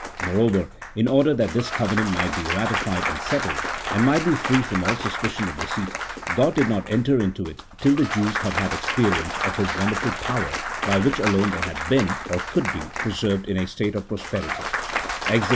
Moreover, in order that this covenant might be ratified and settled, and might be free from all suspicion of deceit, God did not enter into it till the Jews had had experience of His wonderful power by which alone they had been, or could be, preserved in a state of prosperity (Exod.